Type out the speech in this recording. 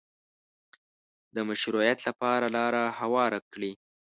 د مشروعیت لپاره لاره هواره کړي